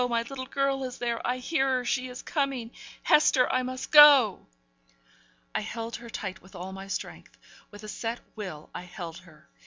My little girl is there! I hear her; she is coming! Hester, I must go!' I held her tight with all my strength; with a set will, I held her.